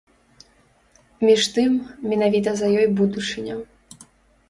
Між тым, менавіта за ёй будучыня.